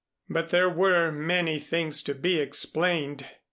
But there were many things to be explained.